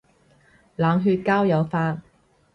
冷血交友法